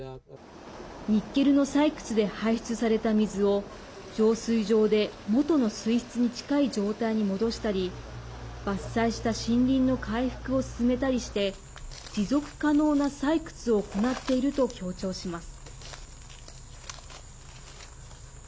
ニッケルの採掘で排出された水を浄水場で元の水質に近い状態に戻したり伐採した森林の回復を進めたりして持続可能な採掘を行っていると強調します。